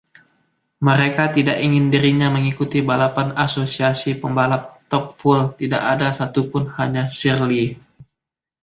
Mereka tidak ingin dirinya mengikuti balapan asosiasi pembalap, Top Fuel, tidak ada satupun...Hanya Shirley.